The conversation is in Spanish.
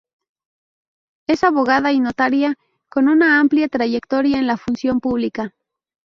Es abogada y notaria, con una amplia trayectoria en la función pública.